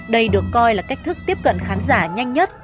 đây được coi là cách thức tiếp cận khán giả nhanh nhất